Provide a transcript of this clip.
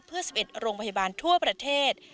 เพื่อ๑๑โรงพยาบาลทั่วประเทศ